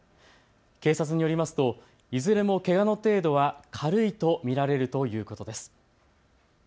警察によりますといずれもけがの程度は軽いと見られるということです。